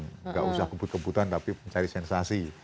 tidak usah kebut kebutan tapi mencari sensasi